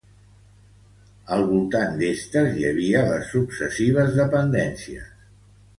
Al voltant d'estes hi havia les successives dependències.